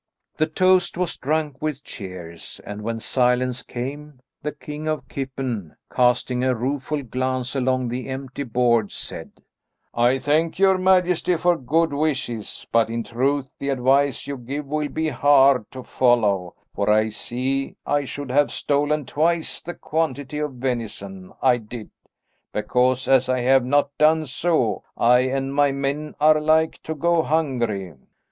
The toast was drunk with cheers, and when silence came, the King of Kippen, casting a rueful glance along the empty board, said, "I thank your majesty for your good wishes, but in truth the advice you give will be hard to follow, for I see I should have stolen twice the quantity of venison I did, because as I have not done so, I and my men are like to go hungry."